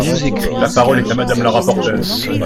La parole est à Madame la rapporteure.